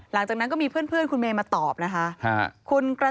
หลังจากนั้นก็มีเพื่อนคุณเมย์มาตอบนะคะ